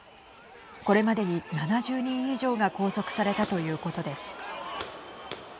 これまでに７０人以上が拘束されたということです。